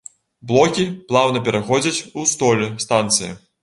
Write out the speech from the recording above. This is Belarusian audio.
Блокі плаўна пераходзяць у столь станцыі.